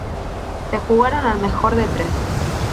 Se jugaron al mejor de tres.